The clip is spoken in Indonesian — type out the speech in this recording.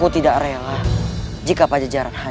tidak ada masalah